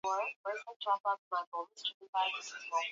Kwa mujibu wa Sensa ya Watu na Makazi ya Mwaka elfu mbili na mbili